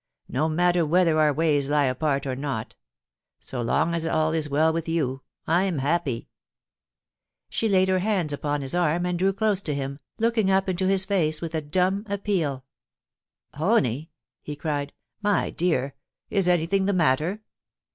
No matter whether our ways lie apart or not So long as all is well with you, I*m happy.* She laid her hands upon his arm and drew close to him, looking up into his face with a dumb appeal * Honie T he cried, * my dear, is anything the matter